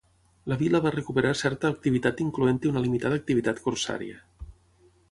La vila va recuperar certa activitat incloent-hi una limitada activitat corsària.